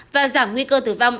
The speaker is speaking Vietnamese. và giảm nguy cơ tử vong